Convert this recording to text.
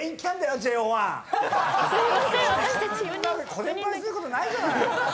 こてんぱんにすることないじゃない！